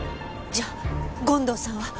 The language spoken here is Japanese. じゃあ権藤さんは。